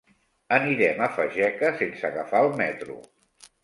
Anirem a Fageca sense agafar el metro.